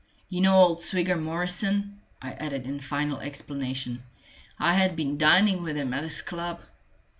"You know old Swigger Morrison?" I added in final explanation. "I had been dining with him at his club!"